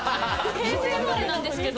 平成生まれなんですけど。